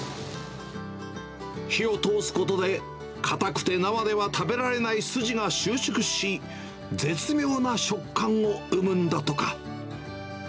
火を通すことで、硬くて生では食べられない筋が収縮し、絶妙な食感を生むんだとか。